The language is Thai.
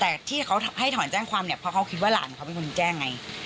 แต่ที่เขาให้ถอนแจ้งความเนี่ยเพราะเขาคิดว่าหลานเขาเป็นคนแจ้งไง